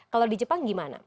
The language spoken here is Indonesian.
kalau di jepang gimana